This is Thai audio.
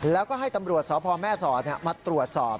แล้วก็ให้ตำรวจสพแม่สอดมาตรวจสอบ